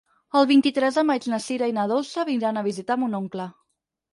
El vint-i-tres de maig na Sira i na Dolça iran a visitar mon oncle.